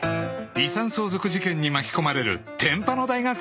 ［遺産相続事件に巻き込まれる天パの大学生］